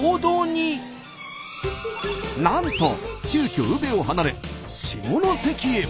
なんと急きょ宇部を離れ下関へ。